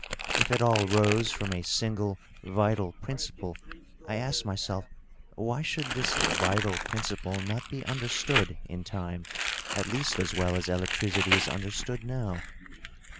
If it all rose from a single vital principle, I asked myself, why should this vital principle not be understood, in time, at least as well as electricity is understood now?